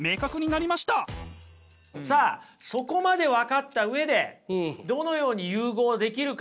さあそこまで分かった上でどのように融合できるか。